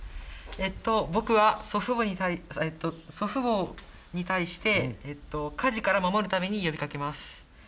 僕は祖父母に対して、火事から守るために呼びかけます。